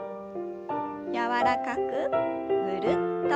柔らかくぐるっと。